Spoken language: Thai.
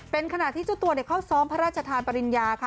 เป็นขณะที่เจ้าตัวเข้าซ้อมพระราชทานปริญญาค่ะ